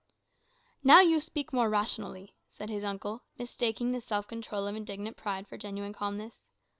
"Now you speak more rationally," said his uncle, mistaking the self control of indignant pride for genuine calmness.